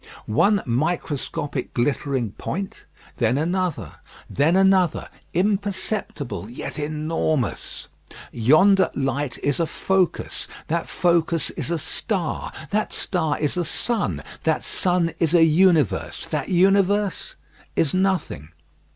One microscopic glittering point; then another; then another; imperceptible, yet enormous. Yonder light is a focus; that focus is a star; that star is a sun; that sun is a universe; that universe is nothing.